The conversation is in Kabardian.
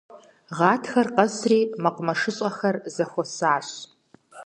Гъатхэр къэсри мэкъумэшыщӀэхэр зэхуэсащ.